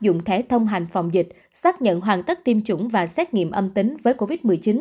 dùng thẻ thông hành phòng dịch xác nhận hoàn tất tiêm chủng và xét nghiệm âm tính với covid một mươi chín